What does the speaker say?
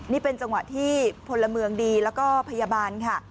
นี่เป็นจังหวะที่พลเมืองดีแล้วก็พยาบาลค่ะ